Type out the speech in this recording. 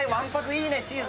いいねチーズ。